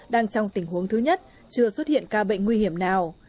đang trong tình huống thứ nhất chưa xuất hiện ca bệnh nguy hiểm nào